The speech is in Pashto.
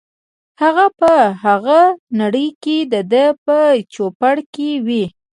هغه په هغه نړۍ کې دده په چوپړ کې وي.